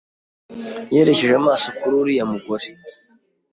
Yerekeje amaso kuri uriya mugore.